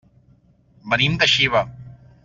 Venim de Xiva.